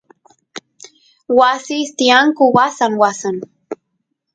wasis tiyanku wasan wasan